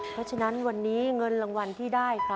เพราะฉะนั้นวันนี้เงินรางวัลที่ได้ค่ะ